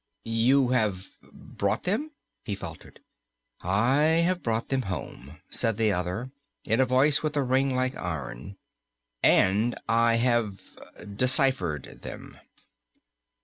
"You have brought them?" he faltered. "I have brought them home," said the other, in a voice with a ring like iron; "and I have deciphered them."